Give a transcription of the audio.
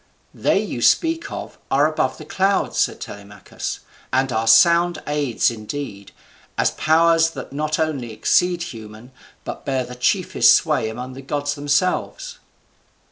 "They you speak of are above the clouds," said Telemachus, "and are sound aids indeed; as powers that not only exceed human, but bear the chiefest sway among the gods themselves."